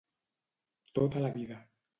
—Tota la vida.